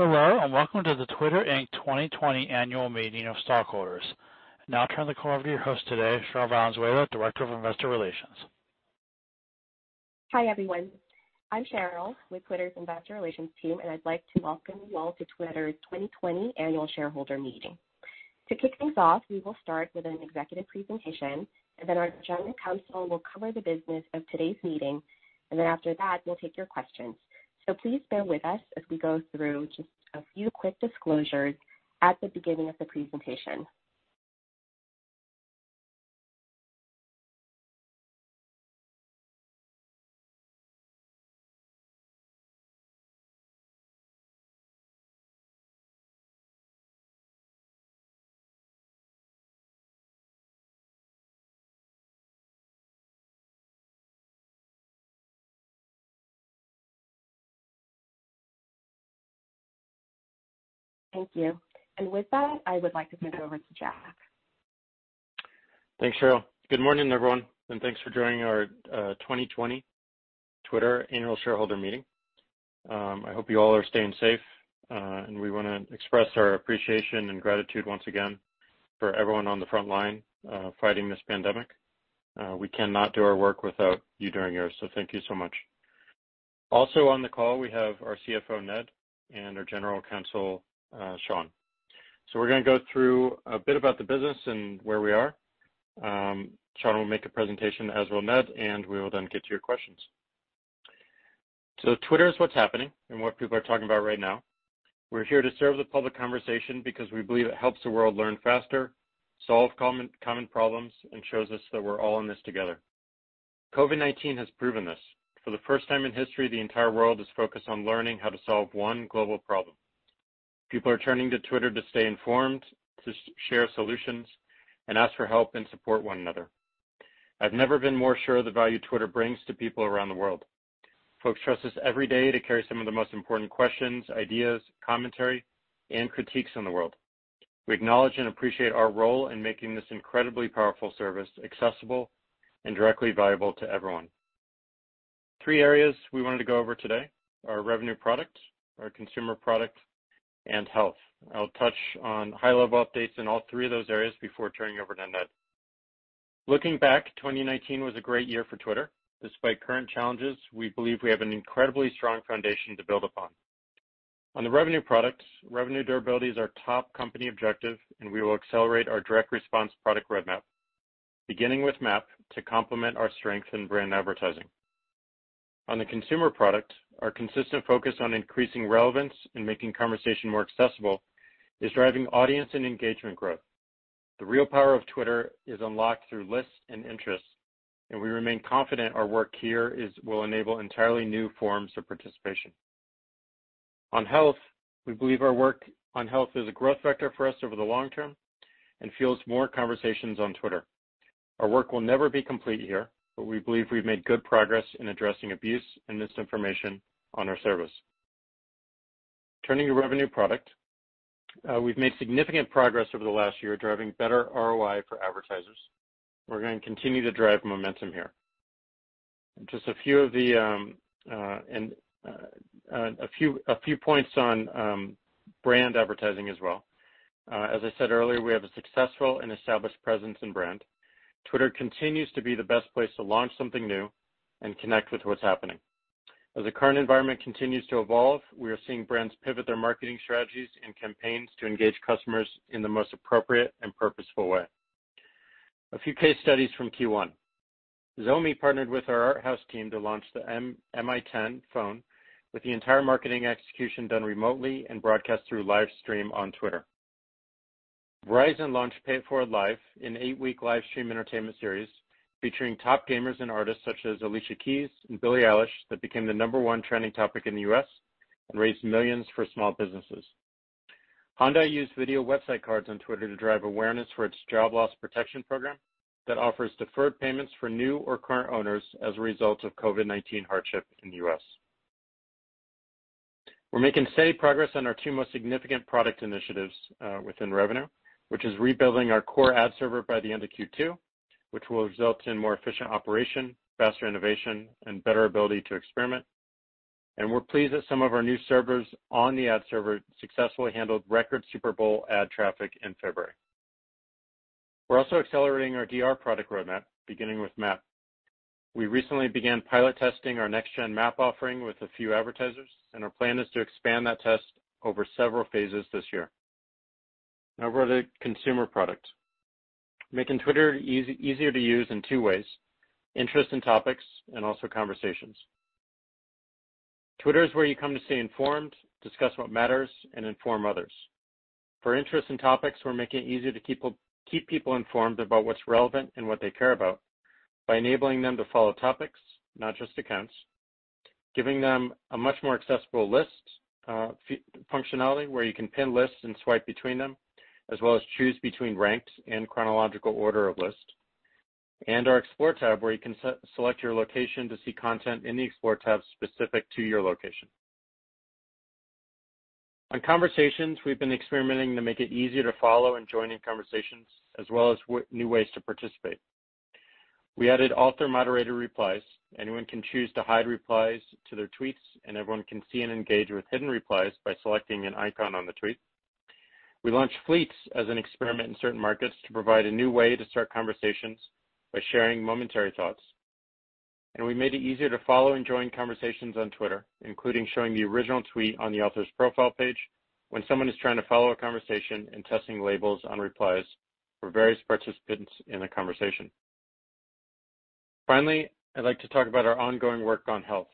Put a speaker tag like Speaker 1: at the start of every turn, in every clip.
Speaker 1: Hello, welcome to the Twitter, Inc. 2020 annual meeting of stockholders. I now turn the call over to your host today, Cherryl Valenzuela, Director of Investor Relations.
Speaker 2: Hi, everyone. I'm Cherryl with Twitter's Investor Relations team. I'd like to welcome you all to Twitter's 2020 annual shareholder meeting. To kick things off, we will start with an executive presentation. Our General Counsel will cover the business of today's meeting. After that, we'll take your questions. Please bear with us as we go through just a few quick disclosures at the beginning of the presentation. Thank you. With that, I would like to turn it over to Jack.
Speaker 3: Thanks, Cherryl. Good morning, everyone, thanks for joining our 2020 Twitter annual shareholder meeting. I hope you all are staying safe. We want to express our appreciation and gratitude once again for everyone on the front line fighting this pandemic. We cannot do our work without you doing yours, thank you so much. Also, on the call, we have our CFO, Ned, and our General Counsel, Sean. We're going to go through a bit about the business and where we are. Sean will make a presentation, as will Ned, we will then get to your questions. Twitter is what's happening and what people are talking about right now. We're here to serve the public conversation because we believe it helps the world learn faster, solve common problems, and shows us that we're all in this together. COVID-19 has proven this. For the first time in history, the entire world is focused on learning how to solve one global problem. People are turning to Twitter to stay informed, to share solutions, and ask for help and support one another. I've never been more sure of the value Twitter brings to people around the world. Folks trust us every day to carry some of the most important questions, ideas, commentary, and critiques in the world. We acknowledge and appreciate our role in making this incredibly powerful service accessible and directly valuable to everyone. Three areas we wanted to go over today, our revenue product, our consumer product, and health. I'll touch on high-level updates in all three of those areas before turning over to Ned. Looking back, 2019 was a great year for Twitter. Despite current challenges, we believe we have an incredibly strong foundation to build upon. On the revenue product, revenue durability is our top company objective. We will accelerate our direct response product roadmap, beginning with MAP, to complement our strength in brand advertising. On the consumer product, our consistent focus on increasing relevance and making conversation more accessible is driving audience and engagement growth. The real power of Twitter is unlocked through lists and interests. We remain confident our work here will enable entirely new forms of participation. On health, we believe our work on health is a growth vector for us over the long term. Fuels more conversations on Twitter. Our work will never be complete here. We believe we've made good progress in addressing abuse and misinformation on our service. Turning to revenue product, we've made significant progress over the last year, driving better ROI for advertisers. We're going to continue to drive momentum here. A few points on brand advertising as well. As I said earlier, we have a successful and established presence in brand. Twitter continues to be the best place to launch something new and connect with what's happening. As the current environment continues to evolve, we are seeing brands pivot their marketing strategies and campaigns to engage customers in the most appropriate and purposeful way. A few case studies from Q1. Xiaomi partnered with our ArtHouse team to launch the Mi 10 phone with the entire marketing execution done remotely and broadcast through live stream on Twitter. Verizon launched Pay It Forward Live, an eight-week live stream entertainment series featuring top gamers and artists such as Alicia Keys and Billie Eilish, that became the number 1 trending topic in the U.S. and raised $ millions for small businesses. Honda used Video Website Cards on Twitter to drive awareness for its job loss protection program that offers deferred payments for new or current owners as a result of COVID-19 hardship in the U.S. We're making steady progress on our two most significant product initiatives within revenue, which is rebuilding our core ad server by the end of Q2, which will result in more efficient operation, faster innovation, and better ability to experiment. We're pleased that some of our new servers on the ad server successfully handled record Super Bowl ad traffic in February. We're also accelerating our DR product roadmap, beginning with MAP. We recently began pilot testing our next-gen MAP offering with a few advertisers, and our plan is to expand that test over several phases this year. Now over to consumer product. Making Twitter easier to use in two ways, interest and topics, and also conversations. Twitter is where you come to stay informed, discuss what matters, and inform others. For interest and topics, we're making it easier to keep people informed about what's relevant and what they care about by enabling them to follow topics, not just accounts, giving them a much more accessible list functionality where you can pin lists and swipe between them, as well as choose between ranked and chronological order of lists, and our Explore tab where you can select your location to see content in the Explore tab specific to your location. On conversations, we've been experimenting to make it easier to follow and join in conversations, as well as new ways to participate. We added author moderator replies. Anyone can choose to hide replies to their tweets, and everyone can see and engage with hidden replies by selecting an icon on the tweet. We launched Fleets as an experiment in certain markets to provide a new way to start conversations by sharing momentary thoughts. We made it easier to follow and join conversations on Twitter, including showing the original tweet on the author's profile page when someone is trying to follow a conversation, and testing labels on replies for various participants in a conversation. Finally, I'd like to talk about our ongoing work on health,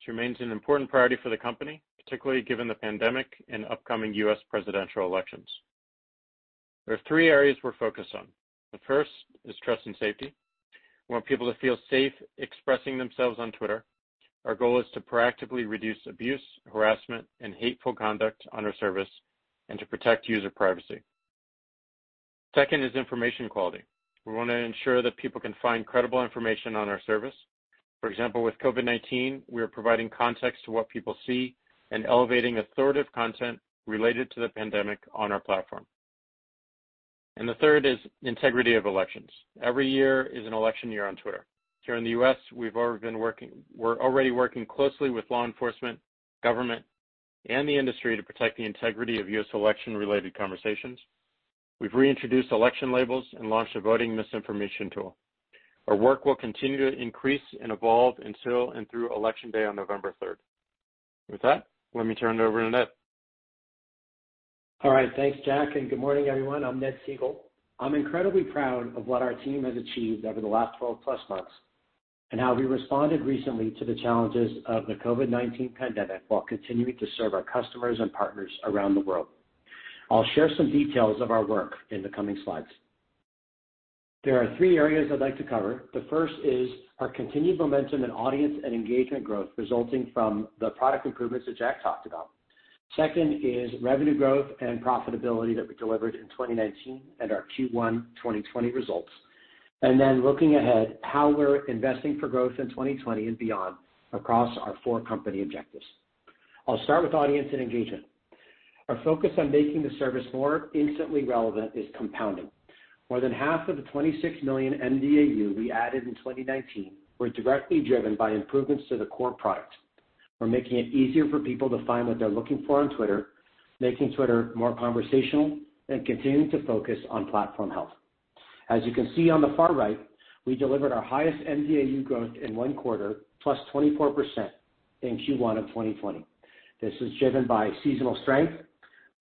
Speaker 3: which remains an important priority for the company, particularly given the pandemic and upcoming U.S. presidential elections. There are three areas we're focused on. The first is trust and safety. We want people to feel safe expressing themselves on Twitter. Our goal is to proactively reduce abuse, harassment, and hateful conduct on our service, and to protect user privacy. Second is information quality. We want to ensure that people can find credible information on our service. For example, with COVID-19, we are providing context to what people see and elevating authoritative content related to the pandemic on our platform. The third is integrity of elections. Every year is an election year on Twitter. Here in the U.S., we're already working closely with law enforcement, government, and the industry to protect the integrity of U.S. election-related conversations. We've reintroduced election labels and launched a voting misinformation tool. Our work will continue to increase and evolve until and through election day on November 3rd. With that, let me turn it over to Ned.
Speaker 4: All right. Thanks, Jack. Good morning, everyone. I'm Ned Segal. I'm incredibly proud of what our team has achieved over the last 12 plus months, and how we responded recently to the challenges of the COVID-19 pandemic while continuing to serve our customers and partners around the world. I'll share some details of our work in the coming slides. There are three areas I'd like to cover. The first is our continued momentum in audience and engagement growth resulting from the product improvements that Jack talked about. Second is revenue growth and profitability that we delivered in 2019 and our Q1 2020 results. Looking ahead, how we're investing for growth in 2020 and beyond across our four company objectives. I'll start with audience and engagement. Our focus on making the service more instantly relevant is compounding. More than half of the 26 million mDAU we added in 2019 were directly driven by improvements to the core product. We're making it easier for people to find what they're looking for on Twitter, making Twitter more conversational, and continuing to focus on platform health. As you can see on the far right, we delivered our highest mDAU growth in one quarter, plus 24%, in Q1 of 2020. This is driven by seasonal strength,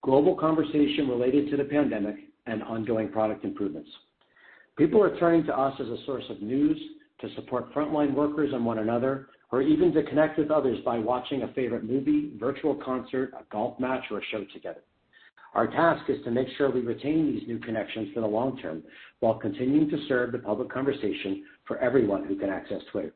Speaker 4: global conversation related to the pandemic, and ongoing product improvements. People are turning to us as a source of news, to support frontline workers and one another, or even to connect with others by watching a favorite movie, virtual concert, a golf match, or a show together. Our task is to make sure we retain these new connections for the long term while continuing to serve the public conversation for everyone who can access Twitter.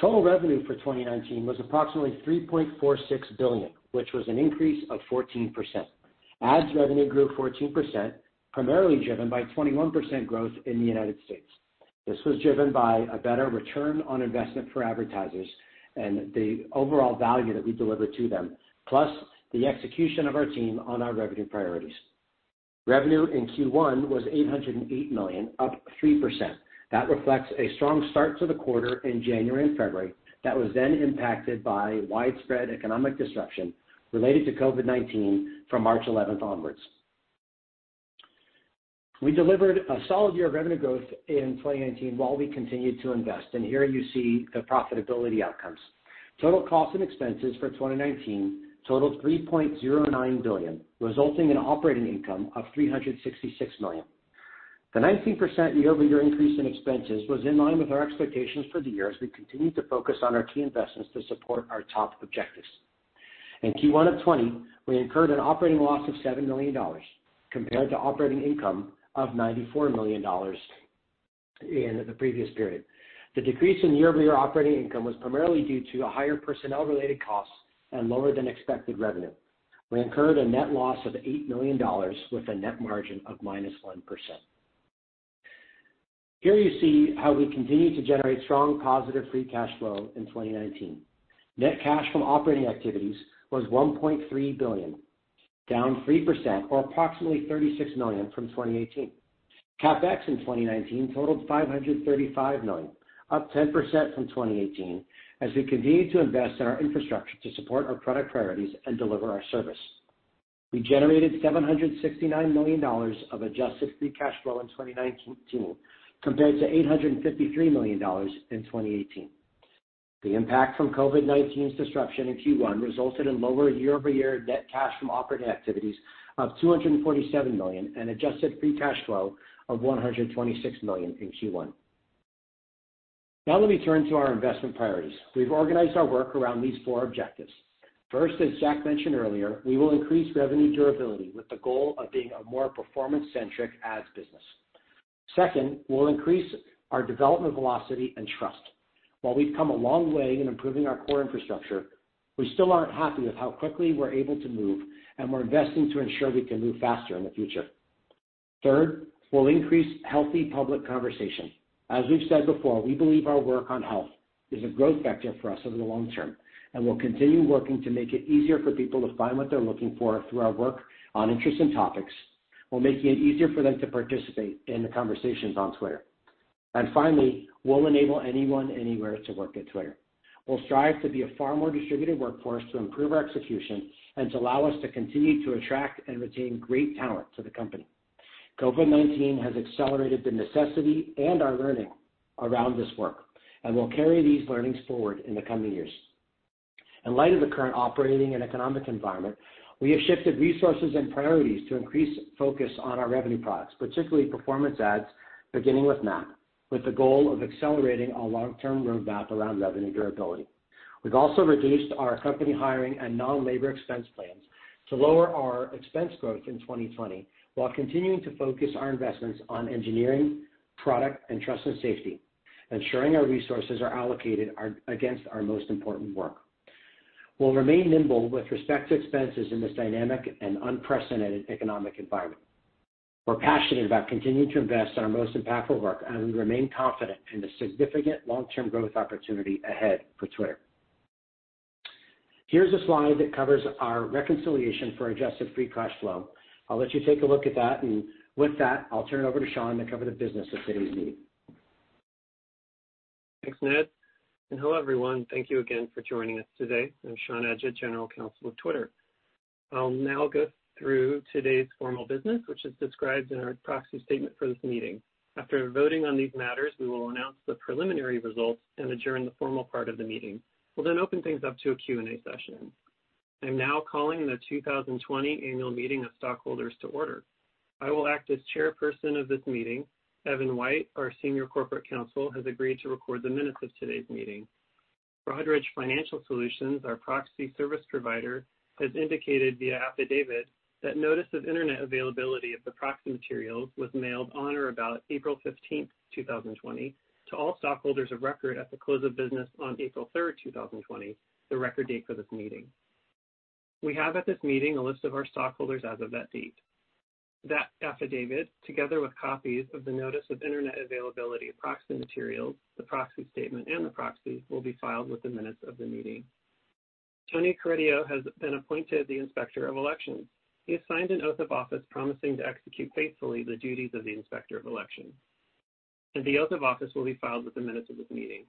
Speaker 4: Total revenue for 2019 was approximately $3.46 billion, which was an increase of 14%. Ads revenue grew 14%, primarily driven by 21% growth in the U.S. This was driven by a better ROI for advertisers and the overall value that we deliver to them, plus the execution of our team on our revenue priorities. Revenue in Q1 was $808 million, up 3%. That reflects a strong start to the quarter in January and February that was then impacted by widespread economic disruption related to COVID-19 from March 11th onwards. We delivered a solid year of revenue growth in 2019 while we continued to invest, here you see the profitability outcomes. Total costs and expenses for 2019 totaled $3.09 billion, resulting in operating income of $366 million. The 19% year-over-year increase in expenses was in line with our expectations for the year, as we continued to focus on our key investments to support our top objectives. In Q1 of 2020, we incurred an operating loss of $7 million compared to operating income of $94 million in the previous period. The decrease in year-over-year operating income was primarily due to higher personnel-related costs and lower than expected revenue. We incurred a net loss of $8 million with a net margin of -1%. Here you see how we continued to generate strong positive free cash flow in 2019. Net cash from operating activities was $1.3 billion, down 3%, or approximately $36 million, from 2018. CapEx in 2019 totaled $535 million, up 10% from 2018, as we continued to invest in our infrastructure to support our product priorities and deliver our service. We generated $769 million of adjusted free cash flow in 2019 compared to $853 million in 2018. The impact from COVID-19's disruption in Q1 resulted in lower year-over-year net cash from operating activities of $247 million and adjusted free cash flow of $126 million in Q1. Let me turn to our investment priorities. We've organized our work around these four objectives. First, as Jack mentioned earlier, we will increase revenue durability with the goal of being a more performance-centric ads business. Second, we'll increase our development velocity and trust. While we've come a long way in improving our core infrastructure, we still aren't happy with how quickly we're able to move, and we're investing to ensure we can move faster in the future. Third, we'll increase healthy public conversation. As we've said before, we believe our work on health is a growth vector for us over the long term. We'll continue working to make it easier for people to find what they're looking for through our work on interests and topics, while making it easier for them to participate in the conversations on Twitter. Finally, we'll enable anyone, anywhere to work at Twitter. We'll strive to be a far more distributed workforce to improve our execution and to allow us to continue to attract and retain great talent to the company. COVID-19 has accelerated the necessity and our learning around this work, and we'll carry these learnings forward in the coming years. In light of the current operating and economic environment, we have shifted resources and priorities to increase focus on our revenue products, particularly performance ads, beginning with MAP, with the goal of accelerating our long-term roadmap around revenue durability. We've also reduced our company hiring and non-labor expense plans to lower our expense growth in 2020 while continuing to focus our investments on engineering, product, and trust and safety, ensuring our resources are allocated against our most important work. We'll remain nimble with respect to expenses in this dynamic and unprecedented economic environment. We're passionate about continuing to invest in our most impactful work, and we remain confident in the significant long-term growth opportunity ahead for Twitter. Here's a slide that covers our reconciliation for adjusted free cash flow. I'll let you take a look at that, and with that, I'll turn it over to Sean to cover the business of today's meeting.
Speaker 5: Thanks, Ned. Hello, everyone. Thank you again for joining us today. I'm Sean Edgett, General Counsel of Twitter. I'll now go through today's formal business, which is described in our proxy statement for this meeting. After voting on these matters, we will announce the preliminary results and adjourn the formal part of the meeting. We'll open things up to a Q&A session. I'm now calling the 2020 Annual Meeting of Stockholders to order. I will act as chairperson of this meeting. Evan White, our Senior Corporate Counsel, has agreed to record the minutes of today's meeting. Broadridge Financial Solutions, our proxy service provider, has indicated via affidavit that notice of internet availability of the proxy materials was mailed on or about April 15th, 2020 to all stockholders of record at the close of business on April 3rd, 2020, the record date for this meeting. We have at this meeting a list of our stockholders as of that date. That affidavit, together with copies of the notice of Internet availability of proxy materials, the proxy statement, and the proxy, will be filed with the minutes of the meeting. Tony Corradino has been appointed the Inspector of Elections. He has signed an oath of office promising to execute faithfully the duties of the Inspector of Elections, and the oath of office will be filed with the minutes of this meeting.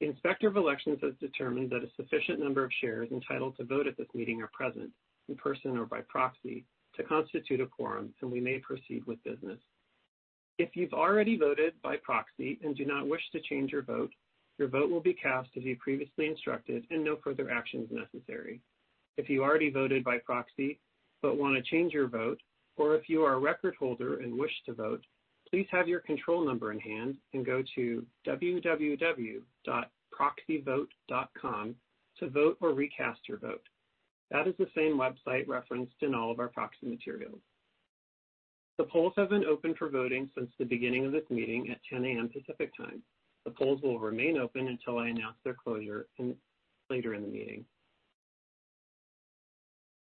Speaker 5: The Inspector of Elections has determined that a sufficient number of shares entitled to vote at this meeting are present, in person or by proxy, to constitute a quorum, and we may proceed with business. If you've already voted by proxy and do not wish to change your vote, your vote will be cast as you previously instructed and no further action is necessary. If you already voted by proxy but want to change your vote, or if you are a record holder and wish to vote, please have your control number in hand and go to www.proxyvote.com to vote or recast your vote. That is the same website referenced in all of our proxy materials. The polls have been open for voting since the beginning of this meeting at 10:00 A.M. Pacific Time. The polls will remain open until I announce their closure later in the meeting.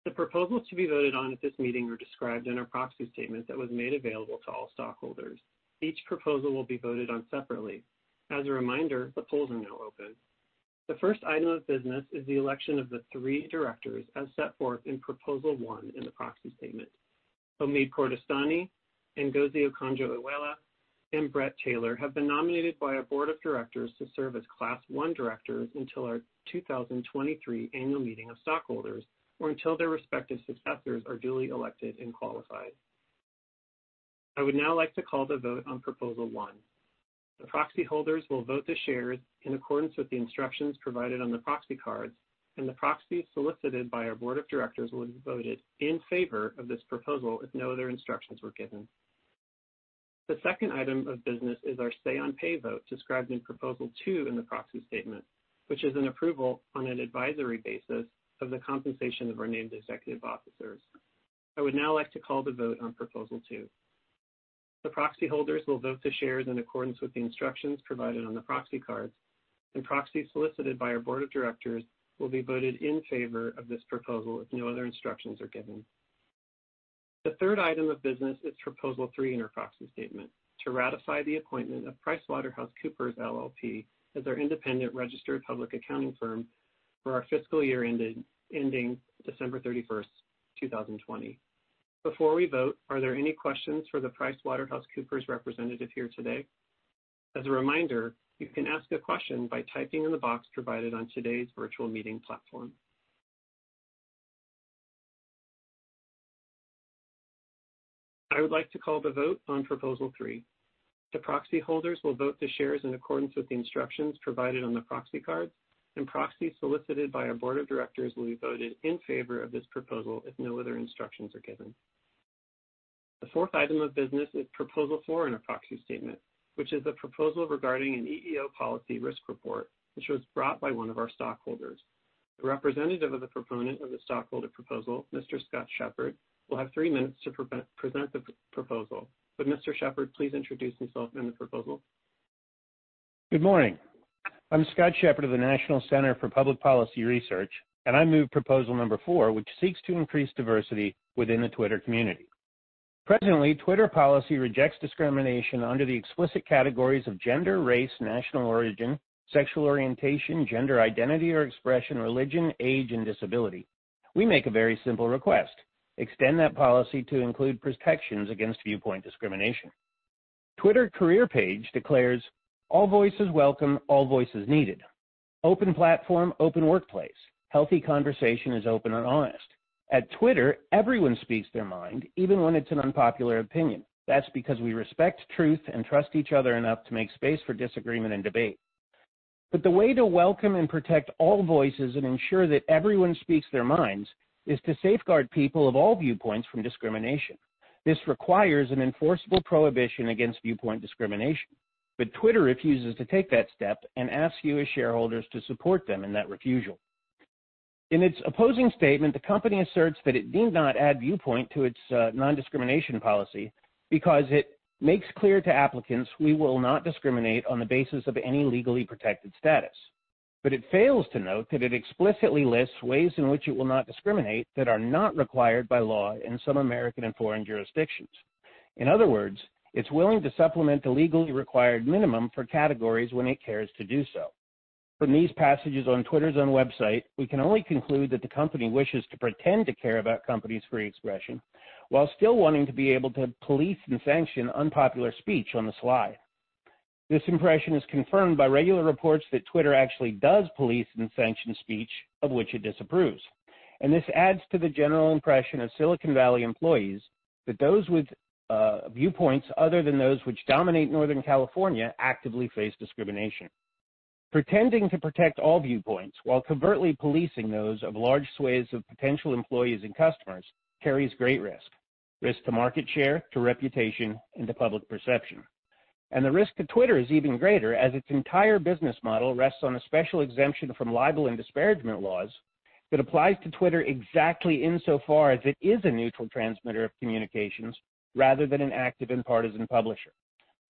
Speaker 5: The proposals to be voted on at this meeting are described in our proxy statement that was made available to all stockholders. Each proposal will be voted on separately. As a reminder, the polls are now open. The first item of business is the election of the three directors as set forth in Proposal One in the proxy statement. Omid Kordestani, Ngozi Okonjo-Iweala, and Bret Taylor have been nominated by our Board of Directors to serve as Class 1 directors until our 2023 Annual Meeting of Stockholders, or until their respective successors are duly elected and qualified. I would now like to call the vote on Proposal 1. The proxy holders will vote the shares in accordance with the instructions provided on the proxy cards, and the proxies solicited by our Board of Directors will be voted in favor of this proposal if no other instructions were given. The second item of business is our Say on Pay vote, described in Proposal 2 in the proxy statement, which is an approval on an advisory basis of the compensation of our named executive officers. I would now like to call the vote on Proposal 2. The proxy holders will vote the shares in accordance with the instructions provided on the proxy cards, and proxies solicited by our Board of Directors will be voted in favor of this proposal if no other instructions are given. The third item of business is Proposal Three in our proxy statement, to ratify the appointment of PricewaterhouseCoopers LLP as our independent registered public accounting firm for our fiscal year ending December 31st, 2020. Before we vote, are there any questions for the PricewaterhouseCoopers representative here today? As a reminder, you can ask a question by typing in the box provided on today's virtual meeting platform. I would like to call the vote on Proposal Three. The proxy holders will vote the shares in accordance with the instructions provided on the proxy cards, and proxies solicited by our Board of Directors will be voted in favor of this proposal if no other instructions are given. The fourth item of business is Proposal Four in our proxy statement, which is a proposal regarding an EEO policy risk report, which was brought by one of our stockholders. The representative of the proponent of the stockholder proposal, Mr. Scott Shepherd, will have three minutes to present the proposal. Would Mr. Shepherd please introduce himself and the proposal?
Speaker 6: Good morning. I'm Scott Shepherd of the National Center for Public Policy Research, and I move proposal number four, which seeks to increase diversity within the Twitter community. Presently, Twitter policy rejects discrimination under the explicit categories of gender, race, national origin, sexual orientation, gender identity or expression, religion, age, and disability. We make a very simple request: extend that policy to include protections against viewpoint discrimination. Twitter career page declares, "All voices welcome, all voices needed. Open platform, open workplace. Healthy conversation is open and honest. At Twitter, everyone speaks their mind, even when it's an unpopular opinion. That's because we respect truth and trust each other enough to make space for disagreement and debate." The way to welcome and protect all voices and ensure that everyone speaks their minds is to safeguard people of all viewpoints from discrimination. This requires an enforceable prohibition against viewpoint discrimination. Twitter refuses to take that step and asks you as shareholders to support them in that refusal. In its opposing statement, the company asserts that it need not add viewpoint to its non-discrimination policy because it, "Makes clear to applicants we will not discriminate on the basis of any legally protected status." It fails to note that it explicitly lists ways in which it will not discriminate that are not required by law in some American and foreign jurisdictions. In other words, it's willing to supplement the legally required minimum for categories when it cares to do so. From these passages on Twitter's own website, we can only conclude that the company wishes to pretend to care about companies' free expression, while still wanting to be able to police and sanction unpopular speech on the sly. This impression is confirmed by regular reports that Twitter actually does police and sanction speech of which it disapproves. This adds to the general impression of Silicon Valley employees that those with viewpoints other than those which dominate Northern California actively face discrimination. Pretending to protect all viewpoints while covertly policing those of large swathes of potential employees and customers carries great risk. Risk to market share, to reputation, and to public perception. The risk to Twitter is even greater as its entire business model rests on a special exemption from libel and disparagement laws that applies to Twitter exactly insofar as it is a neutral transmitter of communications rather than an active and partisan publisher.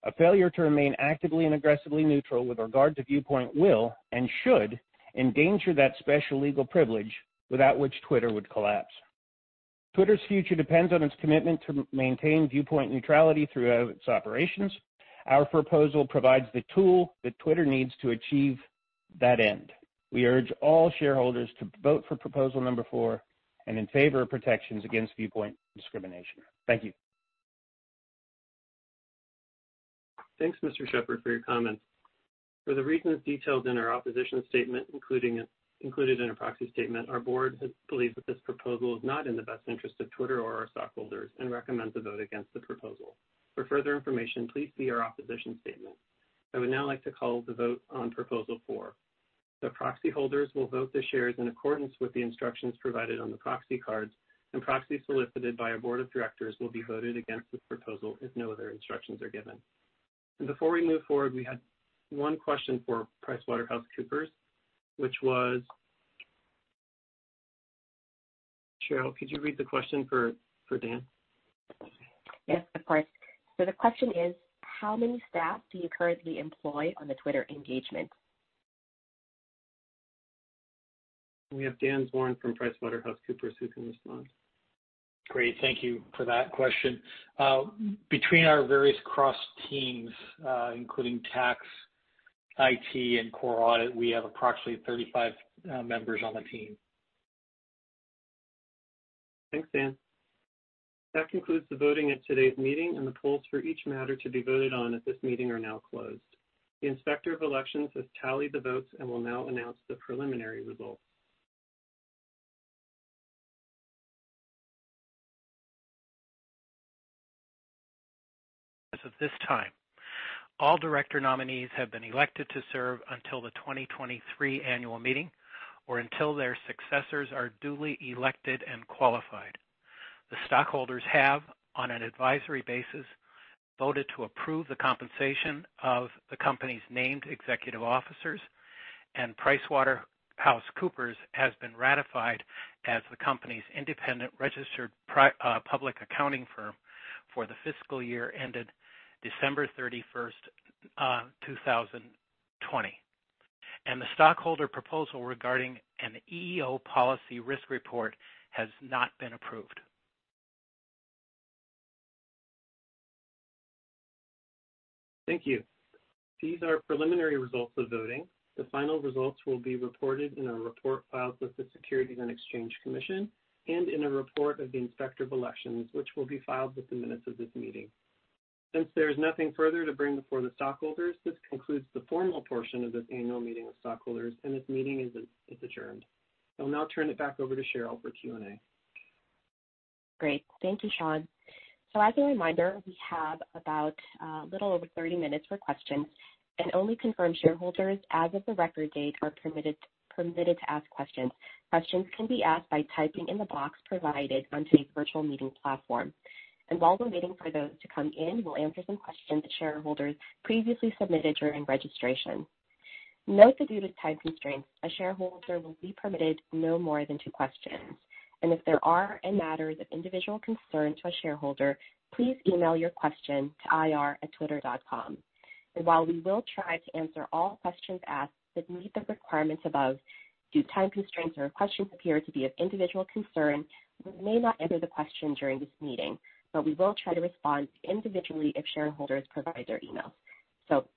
Speaker 6: A failure to remain actively and aggressively neutral with regard to viewpoint will and should endanger that special legal privilege without which Twitter would collapse. Twitter's future depends on its commitment to maintain viewpoint neutrality throughout its operations. Our proposal provides the tool that Twitter needs to achieve that end. We urge all shareholders to vote for proposal number four and in favor of protections against viewpoint discrimination. Thank you.
Speaker 5: Thanks, Mr. Shepherd, for your comments. For the reasons detailed in our opposition statement included in our proxy statement, our board believes that this proposal is not in the best interest of Twitter or our stockholders and recommends a vote against the proposal. For further information, please see our opposition statement. I would now like to call the vote on proposal four. The proxy holders will vote their shares in accordance with the instructions provided on the proxy cards, and proxies solicited by our board of directors will be voted against this proposal if no other instructions are given. Before we move forward, we had one question for PricewaterhouseCoopers, which was Cherryl, could you read the question for Dan?
Speaker 2: Yes, of course. The question is: how many staff do you currently employ on the Twitter engagement?
Speaker 5: We have Dan Zorn from PricewaterhouseCoopers who can respond.
Speaker 7: Great. Thank you for that question. Between our various cross teams, including tax, IT, and core audit, we have approximately 35 members on the team.
Speaker 5: Thanks, Dan. That concludes the voting at today's meeting and the polls for each matter to be voted on at this meeting are now closed. The Inspector of Elections has tallied the votes and will now announce the preliminary results.
Speaker 8: As of this time, all director nominees have been elected to serve until the 2023 annual meeting or until their successors are duly elected and qualified. The stockholders have, on an advisory basis, voted to approve the compensation of the company's named executive officers, and PricewaterhouseCoopers has been ratified as the company's independent registered public accounting firm for the fiscal year ended December 31, 2020. The stockholder proposal regarding an EEO policy risk report has not been approved.
Speaker 5: Thank you. These are preliminary results of voting. The final results will be reported in a report filed with the Securities and Exchange Commission and in a report of the Inspector of Elections, which will be filed with the minutes of this meeting. Since there is nothing further to bring before the stockholders, this concludes the formal portion of this Annual Meeting of Stockholders, and this meeting is adjourned. I'll now turn it back over to Cheryl for Q&A.
Speaker 2: Great. Thank you, Sean. As a reminder, we have about a little over 30 minutes for questions, and only confirmed shareholders as of the record date are permitted to ask questions. Questions can be asked by typing in the box provided on today's virtual meeting platform. While we're waiting for those to come in, we'll answer some questions that shareholders previously submitted during registration. Note that due to time constraints, a shareholder will be permitted no more than two questions. If there are any matters of individual concern to a shareholder, please email your question to ir@twitter.com. While we will try to answer all questions asked that meet the requirements above, due to time constraints or if questions appear to be of individual concern, we may not answer the question during this meeting. We will try to respond individually if shareholders provide their emails.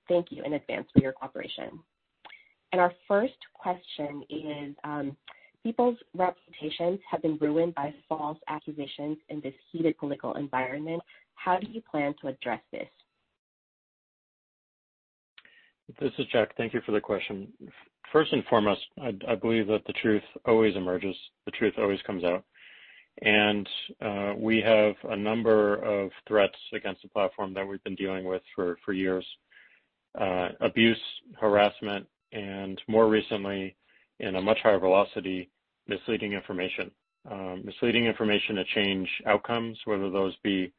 Speaker 2: Thank you in advance for your cooperation. Our first question is, people's reputations have been ruined by false accusations in this heated political environment. How do you plan to address this?
Speaker 3: This is Jack. Thank you for the question. First and foremost, I believe that the truth always emerges. The truth always comes out. We have a number of threats against the platform that we've been dealing with for years. Abuse, harassment, and more recently, in a much higher velocity, misleading information. Misleading information to change outcomes, whether those be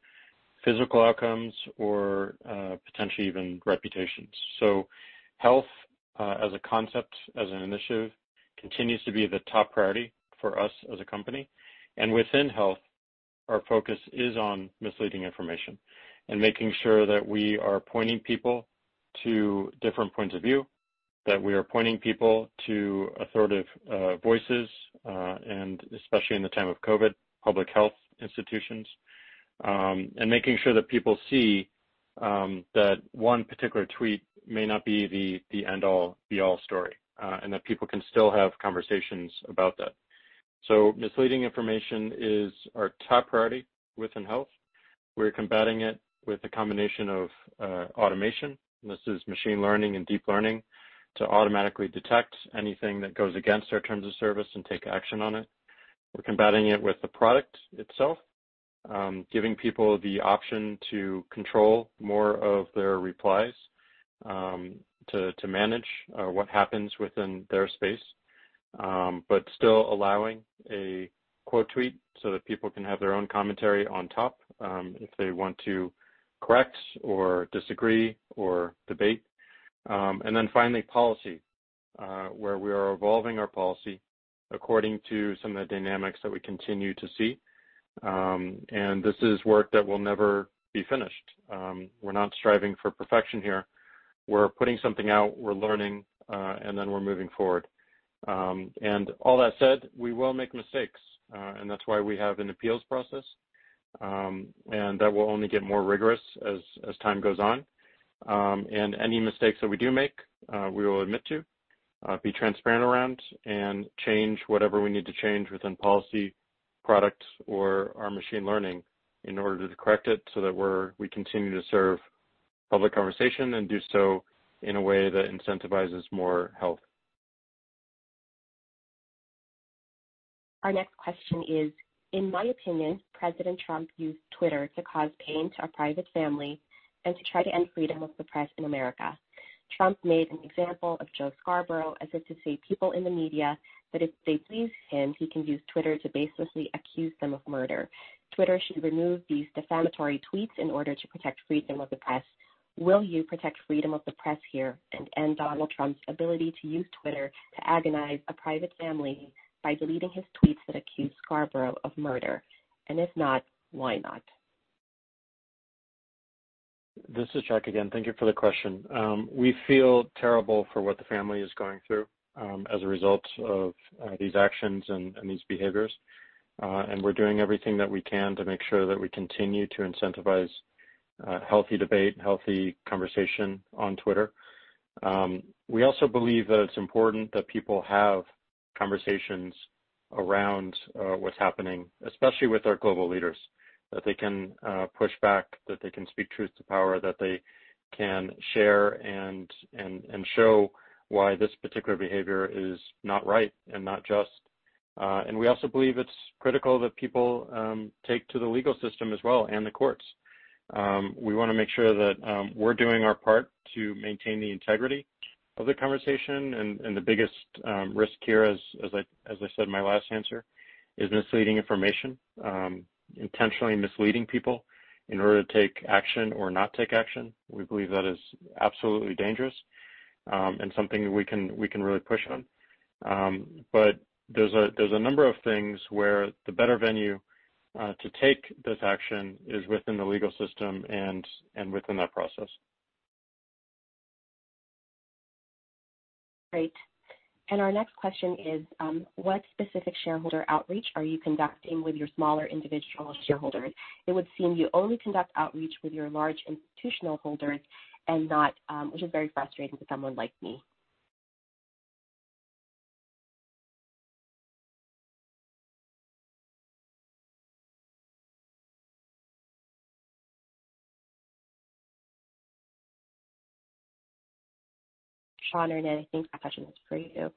Speaker 3: physical outcomes or potentially even reputations. Health, as a concept, as an initiative, continues to be the top priority for us as a company. Within health, our focus is on misleading information and making sure that we are pointing people to different points of view, that we are pointing people to authoritative voices, and especially in the time of COVID-19, public health institutions. Making sure that people see that one particular tweet may not be the end all be all story, and that people can still have conversations about that. Misleading information is our top priority within health. We're combating it with a combination of automation, and this is machine learning and deep learning, to automatically detect anything that goes against our Terms of Service and take action on it. We're combating it with the product itself, giving people the option to control more of their replies, to manage what happens within their space, but still allowing a quote tweet so that people can have their own commentary on top if they want to correct or disagree or debate. Finally, policy, where we are evolving our policy according to some of the dynamics that we continue to see. This is work that will never be finished. We're not striving for perfection here. We're putting something out, we're learning, we're moving forward. All that said, we will make mistakes. That's why we have an appeals process. That will only get more rigorous as time goes on. Any mistakes that we do make, we will admit to, be transparent around, and change whatever we need to change within policy, product, or our machine learning in order to correct it so that we continue to serve public conversation and do so in a way that incentivizes more health.
Speaker 2: Our next question is, in my opinion, President Trump used Twitter to cause pain to a private family and to try to end freedom of the press in America. Trump made an example of Joe Scarborough as if to say people in the media, that if they please him, he can use Twitter to baselessly accuse them of murder. Twitter should remove these defamatory tweets in order to protect freedom of the press. Will you protect freedom of the press here and end Donald Trump's ability to use Twitter to agonize a private family by deleting his tweets that accuse Scarborough of murder? If not, why not?
Speaker 3: This is Jack again. Thank you for the question. We feel terrible for what the family is going through as a result of these actions and these behaviors. We're doing everything that we can to make sure that we continue to incentivize healthy debate, healthy conversation on Twitter. We also believe that it's important that people have conversations around what's happening, especially with our global leaders, that they can push back, that they can speak truth to power, that they can share and show why this particular behavior is not right and not just. We also believe it's critical that people take to the legal system as well and the courts. We want to make sure that we're doing our part to maintain the integrity of the conversation. The biggest risk here, as I said in my last answer, is misleading information. Intentionally misleading people in order to take action or not take action. We believe that is absolutely dangerous and something we can really push on. There's a number of things where the better venue to take this action is within the legal system and within that process.
Speaker 2: Great. Our next question is, what specific shareholder outreach are you conducting with your smaller individual shareholders? It would seem you only conduct outreach with your large institutional holders, which is very frustrating to someone like me. Sean or Ned, I think that question is for you.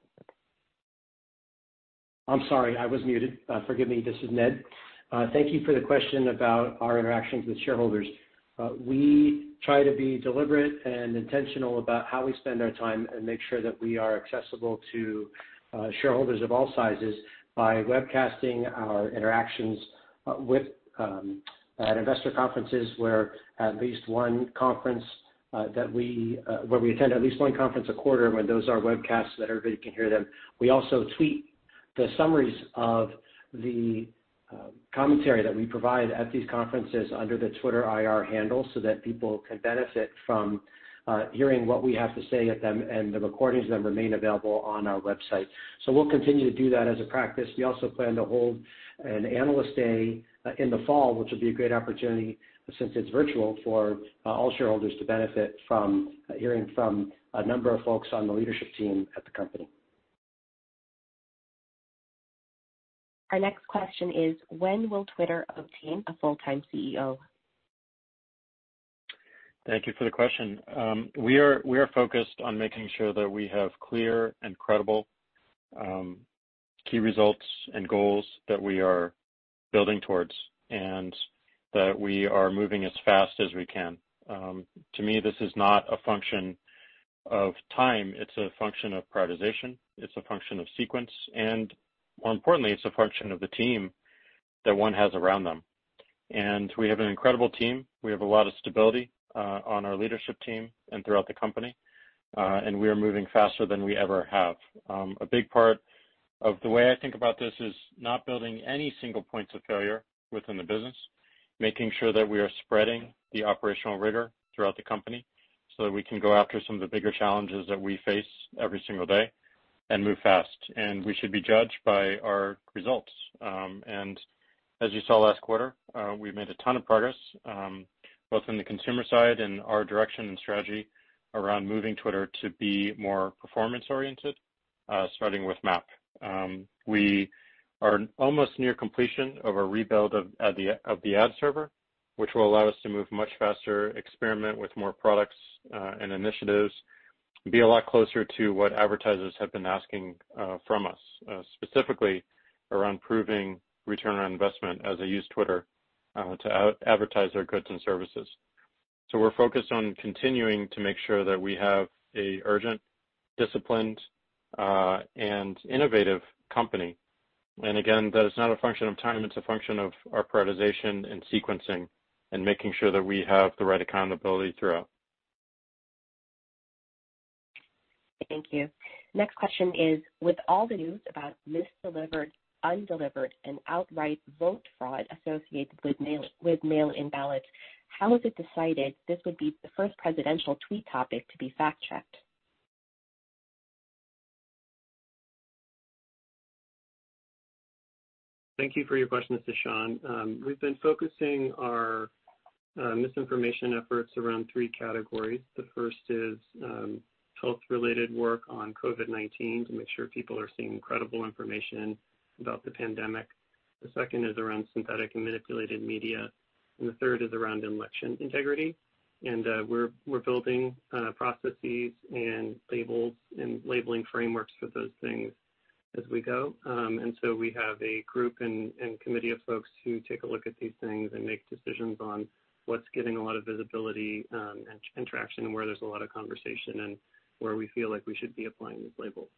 Speaker 4: I'm sorry. I was muted. Forgive me. This is Ned. Thank you for the question about our interactions with shareholders. We try to be deliberate and intentional about how we spend our time and make sure that we are accessible to shareholders of all sizes by webcasting our interactions at investor conferences where we attend at least one conference a quarter, and those are webcasts that everybody can hear then. We also tweet the summaries of the commentary that we provide at these conferences under the Twitter IR handle so that people can benefit from hearing what we have to say at them, and the recordings of them remain available on our website. We'll continue to do that as a practice. We also plan to hold an analyst day in the fall, which will be a great opportunity, since it's virtual, for all shareholders to benefit from hearing from a number of folks on the leadership team at the company.
Speaker 2: Our next question is, when will Twitter obtain a full-time CEO?
Speaker 3: Thank you for the question. We are focused on making sure that we have clear and credible key results and goals that we are building towards, and that we are moving as fast as we can. To me, this is not a function of time, it's a function of prioritization, it's a function of sequence, and more importantly, it's a function of the team that one has around them. We have an incredible team. We have a lot of stability on our leadership team and throughout the company. We are moving faster than we ever have. A big part of the way I think about this is not building any single points of failure within the business, making sure that we are spreading the operational rigor throughout the company so that we can go after some of the bigger challenges that we face every single day and move fast. We should be judged by our results. As you saw last quarter, we've made a ton of progress, both in the consumer side and our direction and strategy around moving Twitter to be more performance-oriented, starting with MAP. We are almost near completion of a rebuild of the ad server, which will allow us to move much faster, experiment with more products and initiatives, be a lot closer to what advertisers have been asking from us, specifically around proving return on investment as they use Twitter to advertise their goods and services. We're focused on continuing to make sure that we have a urgent, disciplined, and innovative company. Again, that is not a function of time, it's a function of our prioritization and sequencing and making sure that we have the right accountability throughout.
Speaker 2: Thank you. Next question is, with all the news about misdelivered, undelivered, and outright vote fraud associated with mail-in ballots, how is it decided this would be the first Presidential tweet topic to be fact-checked?
Speaker 5: Thank you for your question, this is Sean. We've been focusing our misinformation efforts around three categories. The first is health-related work on COVID-19 to make sure people are seeing credible information about the pandemic. The second is around synthetic and manipulated media. The third is around election integrity. We're building processes and labeling frameworks for those things as we go. We have a group and committee of folks who take a look at these things and make decisions on what's getting a lot of visibility and traction, and where there's a lot of conversation, and where we feel like we should be applying these labels.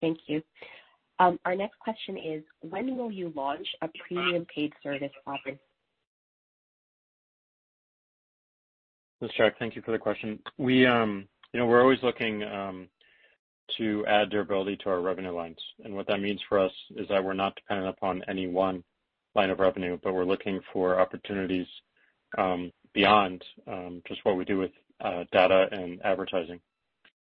Speaker 2: Thank you. Our next question is, when will you launch a premium paid service offering?
Speaker 3: This is Jack. Thank you for the question. We're always looking to add durability to our revenue lines. What that means for us is that we're not dependent upon any one line of revenue, but we're looking for opportunities beyond just what we do with data and advertising.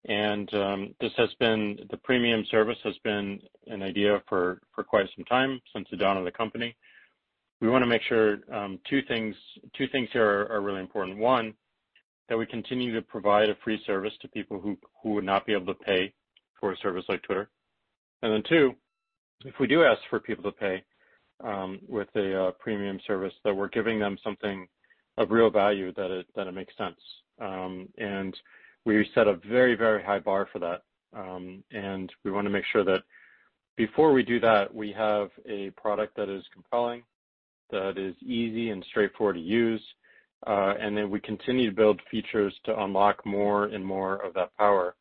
Speaker 3: The premium service has been an idea for quite some time, since the dawn of the company. We want to make sure two things here are really important. One, that we continue to provide a free service to people who would not be able to pay for a service like Twitter. Two, if we do ask for people to pay with a premium service, that we're giving them something of real value that it makes sense. We set a very high bar for that, and we want to make sure that before we do that, we have a product that is compelling, that is easy and straightforward to use, and that we continue to build features to unlock more and more of that power,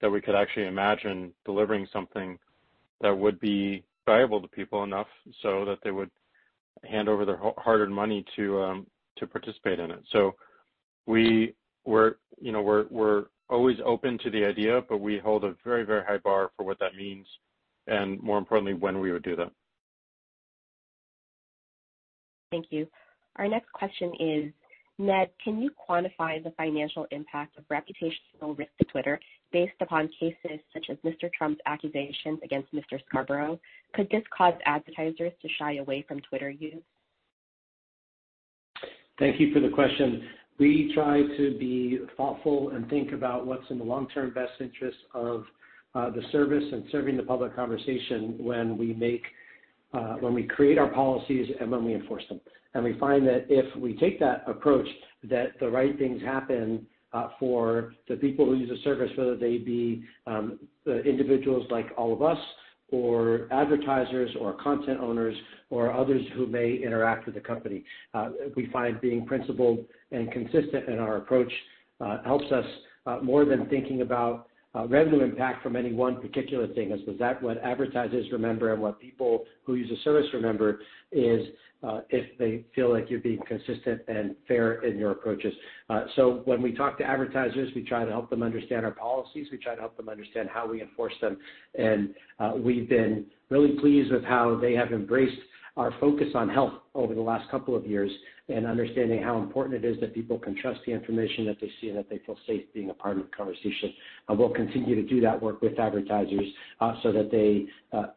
Speaker 3: that we could actually imagine delivering something that would be valuable to people enough so that they would hand over their hard-earned money to participate in it. We're always open to the idea, but we hold a very high bar for what that means, and more importantly, when we would do that.
Speaker 2: Thank you. Our next question is, Ned, can you quantify the financial impact of reputational risk to Twitter based upon cases such as Mr. Trump's accusations against Mr. Scarborough? Could this cause advertisers to shy away from Twitter use?
Speaker 4: Thank you for the question. We try to be thoughtful and think about what's in the long-term best interest of the service and serving the public conversation when we create our policies and when we enforce them. We find that if we take that approach, that the right things happen for the people who use the service, whether they be individuals like all of us or advertisers or content owners or others who may interact with the company. We find being principled and consistent in our approach helps us more than thinking about revenue impact from any one particular thing, as that what advertisers remember and what people who use the service remember is if they feel like you're being consistent and fair in your approaches. When we talk to advertisers, we try to help them understand our policies. We try to help them understand how we enforce them. We've been really pleased with how they have embraced our focus on health over the last couple of years and understanding how important it is that people can trust the information that they see and that they feel safe being a part of the conversation. We'll continue to do that work with advertisers so that they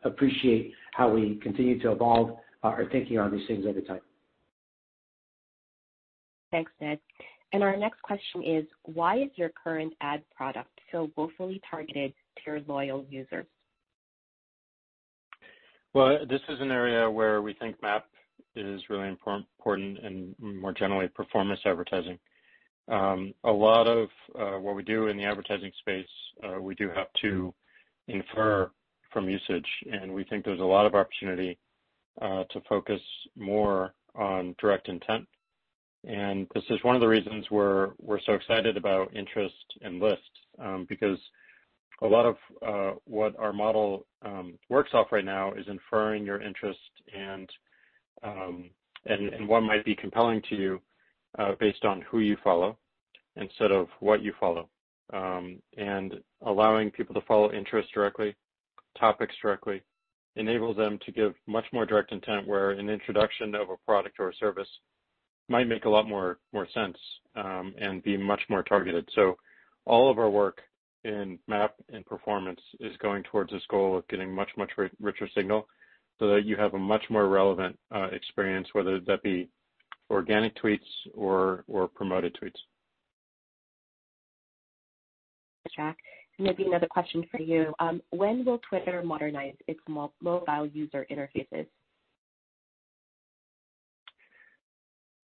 Speaker 4: appreciate how we continue to evolve our thinking on these things over time.
Speaker 2: Thanks, Ned. Our next question is: Why is your current ad product so woefully targeted to your loyal users?
Speaker 3: Well, this is an area where we think MAP is really important, and more generally, performance advertising. A lot of what we do in the advertising space, we do have to infer from usage, and we think there's a lot of opportunity to focus more on direct intent. This is one of the reasons we're so excited about interest and lists, because a lot of what our model works off right now is inferring your interest and what might be compelling to you based on who you follow instead of what you follow. Allowing people to follow interests directly, topics directly, enables them to give much more direct intent, where an introduction of a product or a service might make a lot more sense, and be much more targeted. All of our work in MAP and performance is going towards this goal of getting much richer signal so that you have a much more relevant experience, whether that be organic tweets or promoted tweets.
Speaker 2: Jack, maybe another question for you. When will Twitter modernize its mobile user interfaces?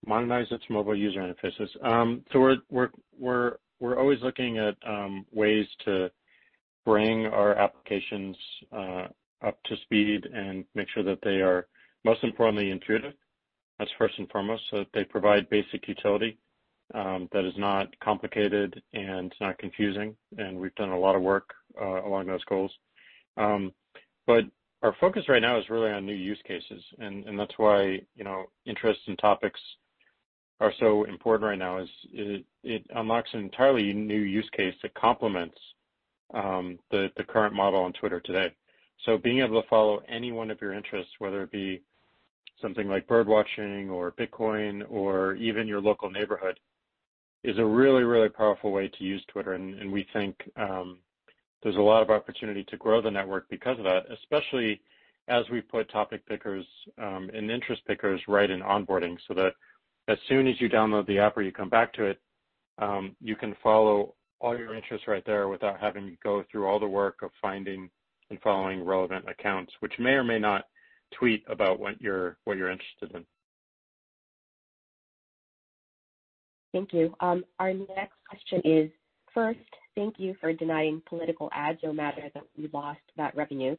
Speaker 3: Modernize its mobile user interfaces. We're always looking at ways to bring our applications up to speed and make sure that they are, most importantly, intuitive. That's first and foremost, so that they provide basic utility that is not complicated and not confusing. We've done a lot of work along those goals. Our focus right now is really on new use cases, and that's why interests and topics are so important right now, is it unlocks an entirely new use case that complements the current model on Twitter today. Being able to follow any one of your interests, whether it be something like bird watching or Bitcoin or even your local neighborhood, is a really powerful way to use Twitter, and we think there's a lot of opportunity to grow the network because of that, especially as we put topic pickers and interest pickers right in onboarding, so that as soon as you download the app or you come back to it, you can follow all your interests right there without having to go through all the work of finding and following relevant accounts, which may or may not tweet about what you're interested in.
Speaker 2: Thank you. Our next question is: First, thank you for denying political ads, no matter that we lost that revenue.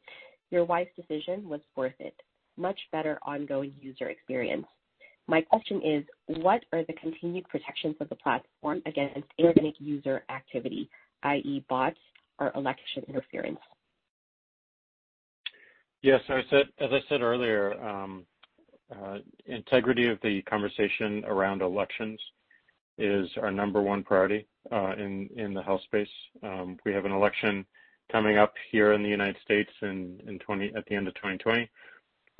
Speaker 2: Your wise decision was worth it. Much better ongoing user experience. My question is, what are the continued protections of the platform against inorganic user activity, i.e., bots or election interference?
Speaker 3: Yes. As I said earlier, integrity of the conversation around elections is our number one priority in the health space. We have an election coming up here in the United States at the end of 2020.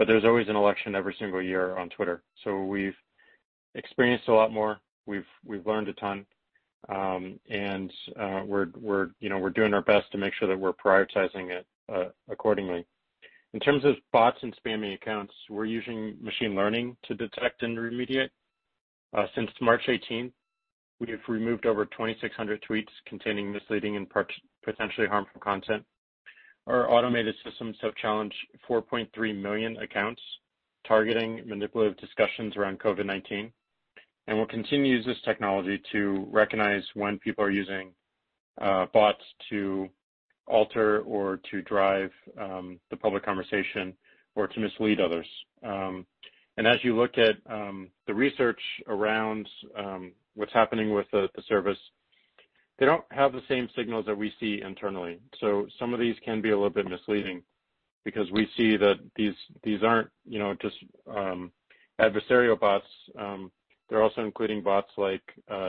Speaker 3: There's always an election every single year on Twitter. We've experienced a lot more, we've learned a ton, and we're doing our best to make sure that we're prioritizing it accordingly. In terms of bots and spammy accounts, we're using machine learning to detect and remediate. Since March 18th, we have removed over 2,600 tweets containing misleading and potentially harmful content. Our automated systems have challenged 4.3 million accounts targeting manipulative discussions around COVID-19, and we'll continue to use this technology to recognize when people are using bots to alter or to drive the public conversation or to mislead others. As you look at the research around what's happening with the service, they don't have the same signals that we see internally. Some of these can be a little bit misleading because we see that these aren't just adversarial bots. They're also including bots like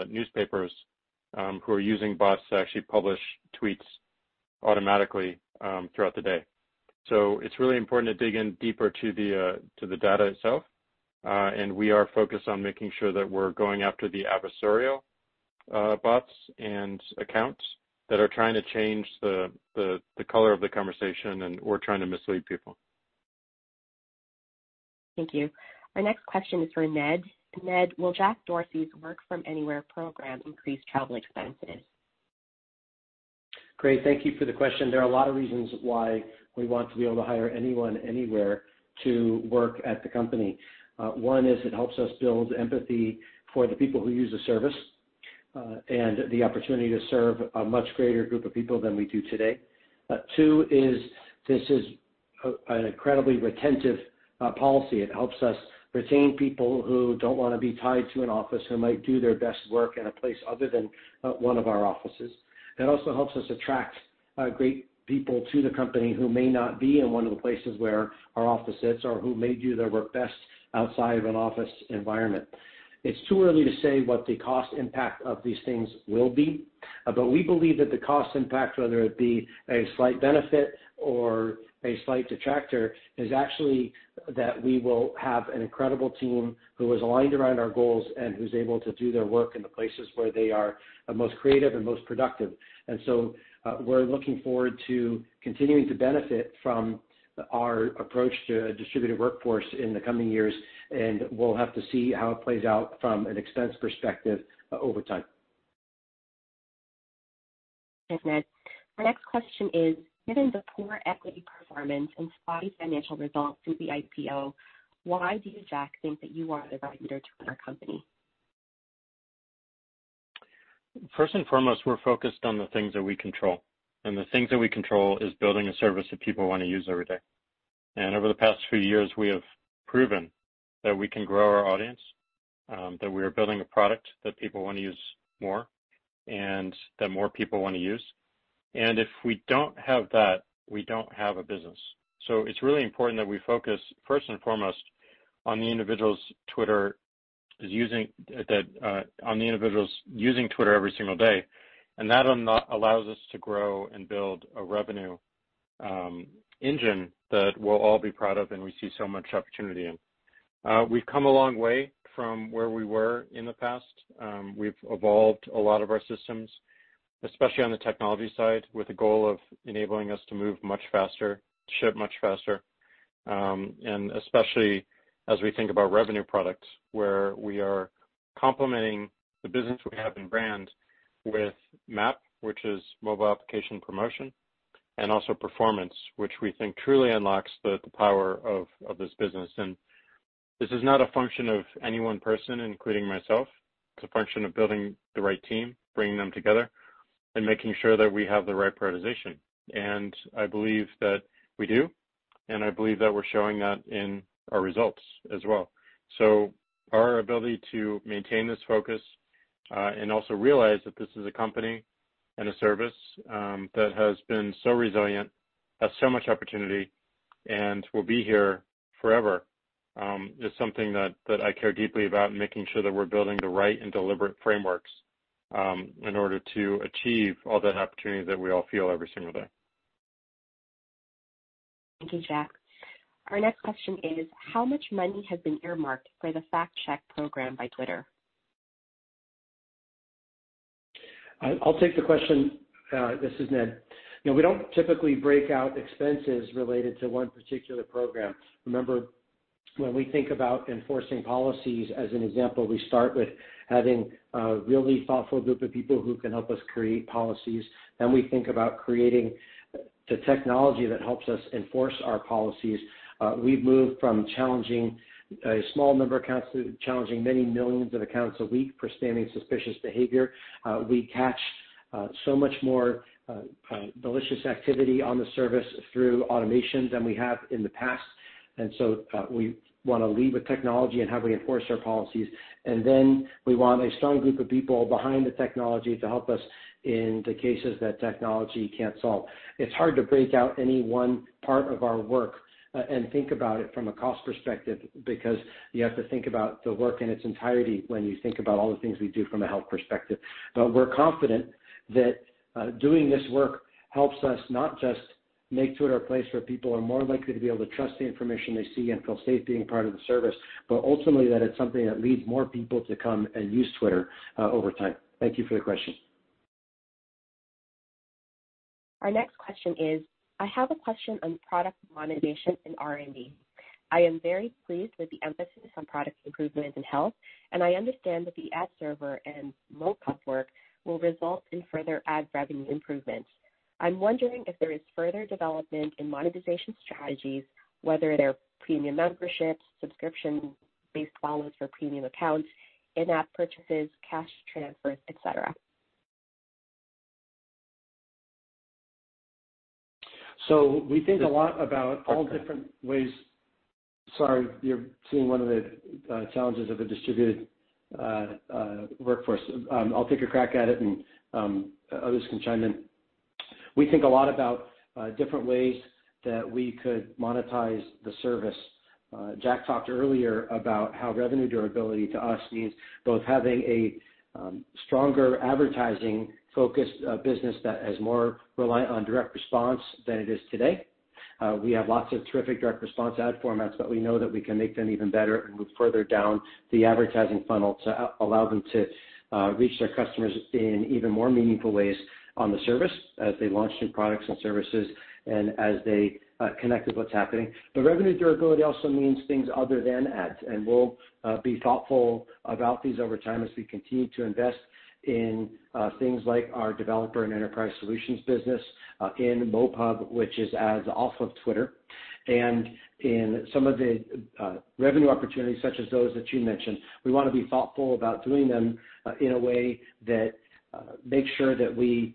Speaker 3: newspapers who are using bots to actually publish tweets automatically throughout the day. It's really important to dig in deeper to the data itself. We are focused on making sure that we're going after the adversarial bots and accounts that are trying to change the color of the conversation and/or trying to mislead people.
Speaker 2: Thank you. Our next question is for Ned. Ned, will Jack Dorsey's work-from-anywhere program increase travel expenses?
Speaker 4: Great. Thank you for the question. There are a lot of reasons why we want to be able to hire anyone, anywhere to work at the company. One is it helps us build empathy for the people who use the service and the opportunity to serve a much greater group of people than we do today. Two is, this is an incredibly retentive policy. It helps us retain people who don't want to be tied to an office, who might do their best work in a place other than one of our offices. It also helps us attract great people to the company who may not be in one of the places where our office is or who may do their work best outside of an office environment. It's too early to say what the cost impact of these things will be. We believe that the cost impact, whether it be a slight benefit or a slight detractor, is actually that we will have an incredible team who is aligned around our goals and who's able to do their work in the places where they are most creative and most productive. We're looking forward to continuing to benefit from our approach to a distributed workforce in the coming years, and we'll have to see how it plays out from an expense perspective over time.
Speaker 2: Thanks, Ned. Our next question is, given the poor equity performance and spotty financial results through the IPO, why do you, Jack, think that you are the right leader to run our company?
Speaker 3: First and foremost, we're focused on the things that we control, and the things that we control is building a service that people want to use every day. Over the past few years, we have proven that we can grow our audience, that we are building a product that people want to use more and that more people want to use. If we don't have that, we don't have a business. It's really important that we focus first and foremost on the individuals using Twitter every single day, and that allows us to grow and build a revenue engine that we'll all be proud of and we see so much opportunity in. We've come a long way from where we were in the past. We've evolved a lot of our systems, especially on the technology side, with the goal of enabling us to move much faster, to ship much faster. Especially as we think about revenue products, where we are complementing the business we have in brand with MAP, which is Mobile Application Promotion, and also performance, which we think truly unlocks the power of this business. This is not a function of any one person, including myself. It's a function of building the right team, bringing them together, and making sure that we have the right prioritization. I believe that we do, and I believe that we're showing that in our results as well. Our ability to maintain this focus, and also realize that this is a company and a service that has been so resilient, has so much opportunity, and will be here forever, is something that I care deeply about, and making sure that we're building the right and deliberate frameworks in order to achieve all that opportunity that we all feel every single day.
Speaker 2: Thank you, Jack. Our next question is: how much money has been earmarked for the fact-check program by Twitter?
Speaker 4: I'll take the question. This is Ned. We don't typically break out expenses related to one particular program. Remember, when we think about enforcing policies, as an example, we start with having a really thoughtful group of people who can help us create policies. We think about creating the technology that helps us enforce our policies. We've moved from challenging a small number of accounts to challenging many millions of accounts a week for spam suspicious behavior. We catch so much more malicious activity on the service through automation than we have in the past. We want to lead with technology and how we enforce our policies, and then we want a strong group of people behind the technology to help us in the cases that technology can't solve. It's hard to break out any one part of our work and think about it from a cost perspective, because you have to think about the work in its entirety when you think about all the things we do from a health perspective. We're confident that doing this work helps us not just make Twitter a place where people are more likely to be able to trust the information they see and feel safe being part of the service, but ultimately, that it's something that leads more people to come and use Twitter over time. Thank you for the question.
Speaker 2: Our next question is: I have a question on product monetization and R&D. I am very pleased with the emphasis on product improvements in health, and I understand that the ad server and MoPub work will result in further ad revenue improvements. I'm wondering if there is further development in monetization strategies, whether they're premium memberships, subscription-based models for premium accounts, in-app purchases, cash transfers, et cetera.
Speaker 4: We think a lot about all different ways. Sorry, you're seeing one of the challenges of a distributed workforce. I'll take a crack at it and others can chime in. We think a lot about different ways that we could monetize the service. Jack talked earlier about how revenue durability to us means both having a stronger advertising-focused business that is more reliant on direct response than it is today. We have lots of terrific direct response ad formats, but we know that we can make them even better and move further down the advertising funnel to allow them to reach their customers in even more meaningful ways on the service as they launch new products and services and as they connect with what's happening. Revenue durability also means things other than ads, and we'll be thoughtful about these over time as we continue to invest in things like our Developer and Enterprise Solutions business and MoPub, which is ads off of Twitter. In some of the revenue opportunities, such as those that you mentioned, we want to be thoughtful about doing them in a way that makes sure that we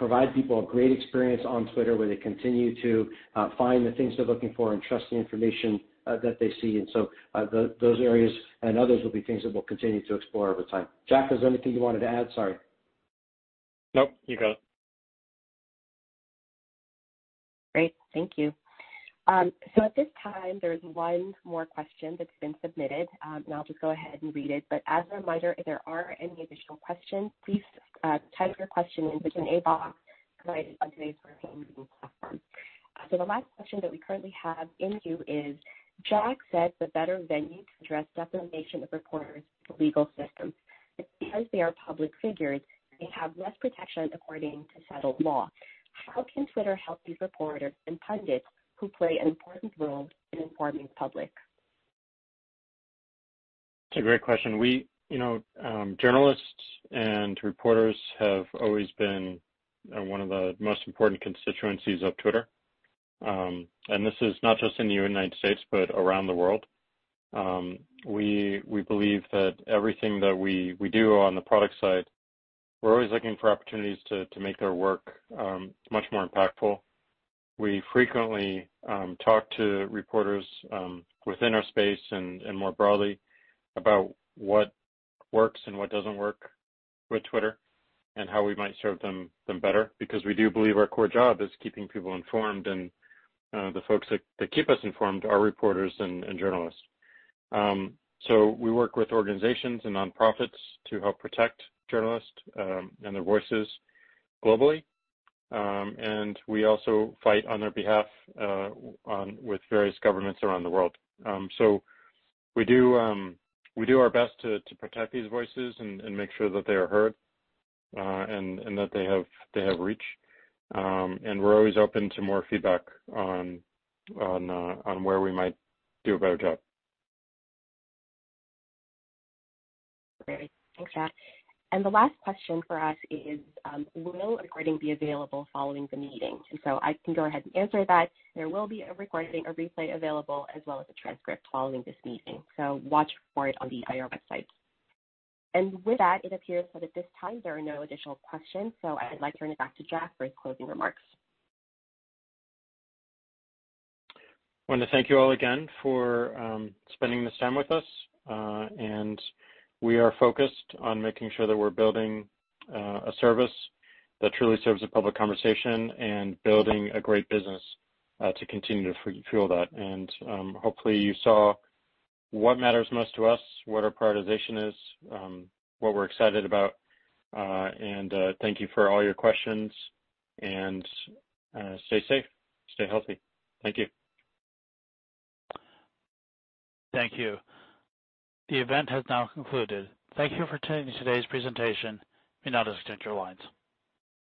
Speaker 4: provide people a great experience on Twitter, where they continue to find the things they're looking for and trust the information that they see. Those areas and others will be things that we'll continue to explore over time. Jack, is there anything you wanted to add? Sorry.
Speaker 3: Nope, you got it.
Speaker 2: Great. Thank you. At this time, there is one more question that's been submitted. I'll just go ahead and read it. As a reminder, if there are any additional questions, please type your question into the Q&A box provided on today's virtual meeting platform. The last question that we currently have in the queue is, Jack said the better venue to address defamation of reporters is the legal system, but because they are public figures, they have less protection according to settled law. How can Twitter help these reporters and pundits who play an important role in informing public?
Speaker 3: It's a great question. Journalists and reporters have always been one of the most important constituencies of Twitter. This is not just in the U.S., but around the world. We believe that everything that we do on the product side, we're always looking for opportunities to make their work much more impactful. We frequently talk to reporters within our space and more broadly about what works and what doesn't work with Twitter and how we might serve them better, because we do believe our core job is keeping people informed, and the folks that keep us informed are reporters and journalists. We work with organizations and nonprofits to help protect journalists and their voices globally, and we also fight on their behalf with various governments around the world. We do our best to protect these voices and make sure that they are heard and that they have reach. We're always open to more feedback on where we might do a better job.
Speaker 2: Great. Thanks, Jack. The last question for us is, will a recording be available following the meeting? I can go ahead and answer that. There will be a recording, a replay available, as well as a transcript following this meeting. Watch for it on the IR websites. With that, it appears that at this time, there are no additional questions. I would like to turn it back to Jack for his closing remarks.
Speaker 3: I want to thank you all again for spending this time with us. We are focused on making sure that we're building a service that truly serves the public conversation and building a great business to continue to fuel that. Hopefully you saw what matters most to us, what our prioritization is, what we're excited about. Thank you for all your questions, and stay safe, stay healthy. Thank you.
Speaker 1: Thank you. The event has now concluded. Thank you for attending today's presentation. You may now disconnect your lines.